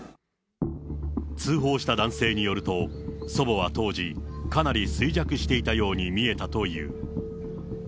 通報した男性によると、祖母は当時、かなり衰弱していたように見えたという。